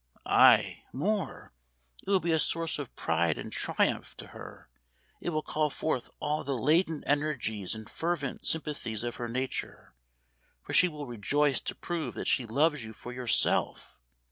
Ay, more; it will be a source of pride and triumph to her it will call forth all the latent energies and fervent sympathies of her nature; for she will rejoice to prove that she loves you for yourself.